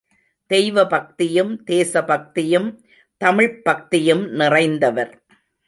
தெய்வபக்தியும், தேசபக்தியும் தமிழ்ப் பக்தியும் நிறைந்தவர்.